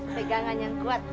pegangan yang kuat